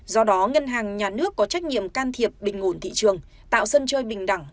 do đó ngân hàng nhà nước có trách nhiệm can thiệp bình ổn thị trường tạo sân chơi bình đẳng